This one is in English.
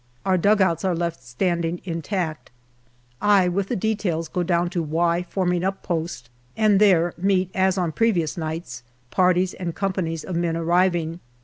Our dugouts are left standing intact. I, with the details, go down to " Y ' forming up post, and there meet, as on previous nights, parties and companies of men arriving.